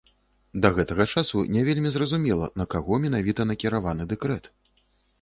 Да гэтага часу не вельмі зразумела, на каго менавіта накіраваны дэкрэт.